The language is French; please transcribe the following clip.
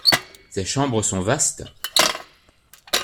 Ses chambres sont vastes.